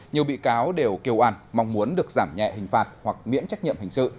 nhiều bị cáo đều kêu an mong muốn được giảm nhẹ hình phạt hoặc miễn trách nhiệm hình sự